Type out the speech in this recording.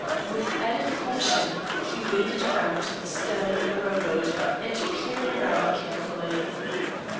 With added caution, he waded around to the stern of the rowboat, and peered around carefully.